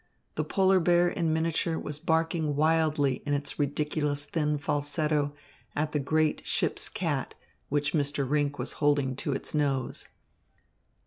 The polar bear in miniature was barking wildly in its ridiculous thin falsetto at the great ship's cat, which Mr. Rinck was holding to its nose.